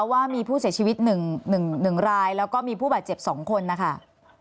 ว่ามีผู้เสียชีวิต๑รายแล้วก็มีผู้บาดเจ็บ๒คนนะคะ